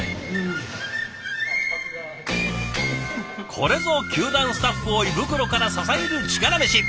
これぞ球団スタッフを胃袋から支えるチカラメシ！